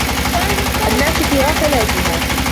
الناس في غفلاتها